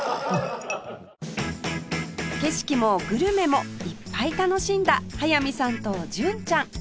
景色もグルメもいっぱい楽しんだ速水さんと純ちゃん